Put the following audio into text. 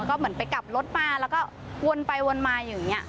ก็เหมือนไปกลับรถมาแล้วก็วนไปวนมาอย่างนี้